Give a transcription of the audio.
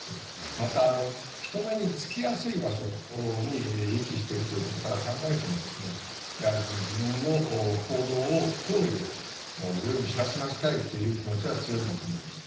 また人目につきやすい場所に遺棄しているということから考えても、やはり自分の行動を行為を、世に知らしめたいという気持ちは強いんだと思います。